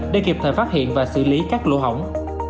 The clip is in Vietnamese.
để kịp thời phát hiện và xử lý các lỗ hỏng